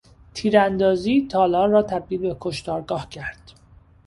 تیراندازی تالار را تبدیل به کشتارگاه کرد.